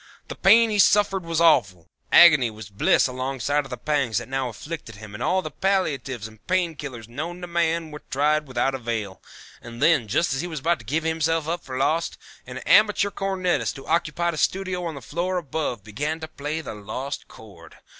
The pain he suffered was awful. Agony was bliss alongside of the pangs that now afflicted him and all the palliatives and pain killers known to man were tried without avail, and then, just as he was about to give himself up for lost, an amateur cornetist who occupied a studio on the floor above began to play the Lost Chord.